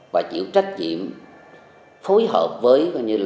và chịu trách nhiệm phối hợp với đồng chí